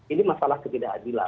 ini masalah ketidakadilan